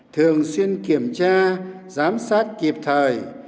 thường xuyên kiểm tra giám sát kịp thời